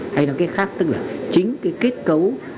hay nói cái khác tức là chính cái kết cấu